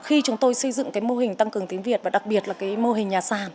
khi chúng tôi xây dựng cái mô hình tăng cường tiếng việt và đặc biệt là cái mô hình nhà sàn